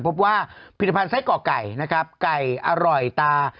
พบว่าผิดพันธุ์ไก่กอกไก่นะครับไก่อร่อยตา